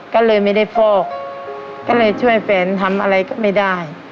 ก็เลยไม่ได้ฟอกก็เลยช่วยแฟนทำอะไรก็ไม่ได้